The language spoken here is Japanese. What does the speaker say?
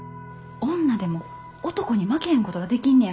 女でも男に負けへんことができんねや。